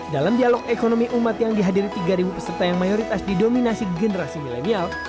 dalam dialog ekonomi umat yang dihadiri tiga peserta yang mayoritas didominasi generasi milenial